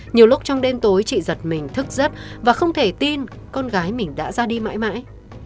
nhiều lúc trong đêm tối chị giật mình thức giấc và không thể tin con gái mình đã ra đi mãi mãi